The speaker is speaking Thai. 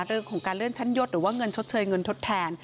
เรื่องของการเลื่อนชั้นยศหรือว่าเงินชดเชยเงินทดแทน